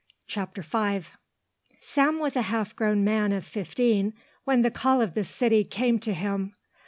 CHAPTER V Sam was a half grown man of fifteen when the call of the city came to him.